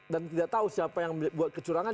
dan tidak tahu siapa yang buat kecurangan